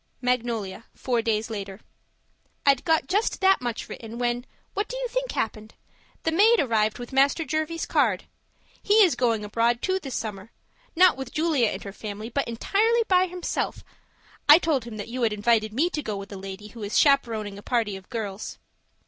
MAGNOLIA, Four days later I'd got just that much written, when what do you think happened? The maid arrived with Master Jervie's card. He is going abroad too this summer; not with Julia and her family, but entirely by himself I told him that you had invited me to go with a lady who is chaperoning a party of girls.